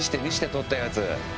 撮ったやつ。